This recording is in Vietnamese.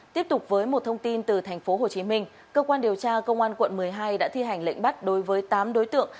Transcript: tiếp tục với một thông tin từ tp hcm cơ quan điều tra công an quận một mươi hai đã thi hành lệnh bắt đối với tám đối tượng